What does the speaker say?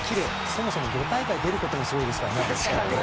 そもそも５大会出ることがすごいですからね。